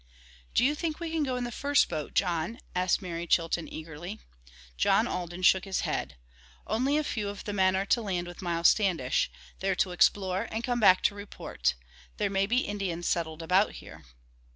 "Do you think we can go in the first boat, John?" asked Mary Chilton eagerly. John Alden shook his head. "Only a few of the men are to land with Miles Standish. They're to explore and come back to report. There may be Indians settled about here."